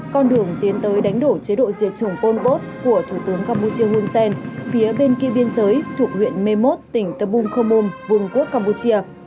con đường tiến tới đánh đổ chế độ diệt chủng pol pot của thủ tướng campuchia hun sen phía bên kia biên giới thuộc huyện mê mốt tỉnh tâm bung khô môm vùng quốc campuchia